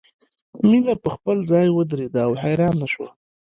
مینه په خپل ځای ودریده او حیرانه شوه